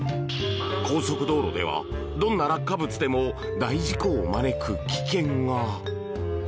高速道路ではどんな落下物でも大事故を招く危険が。